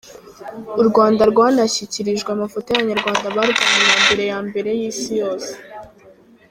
U Rwanda rwanashyikirijwe amafoto y’Abanyarwanda barwanye intambara ya mbere y’Isi yose.